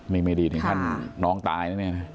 นี่ไม่ดีถึงขั้นน้องตายนะเนี่ย